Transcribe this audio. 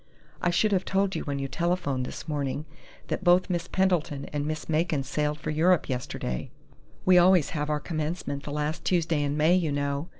"I should have told you when you telephoned this morning that both Miss Pendleton and Miss Macon sailed for Europe yesterday. We always have our commencement the last Tuesday in May, you know....